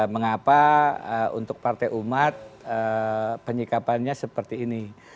mengapa untuk partai umat penyikapannya seperti ini